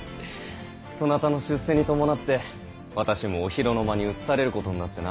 そなたの出世に伴って私もお広の間に移されることになってな。